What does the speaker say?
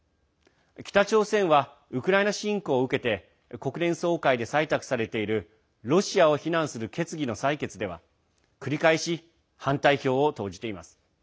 北朝鮮はウクライナ侵攻を受けて国連総会で採択されているロシアを非難する決議の採決では繰り返し、反対票を投じています。